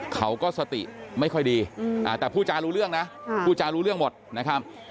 เขาก็สติไม่ค่อยดีแต่ผู้จารู้เรื่องนะพูดจารู้เรื่องหมดนะครับ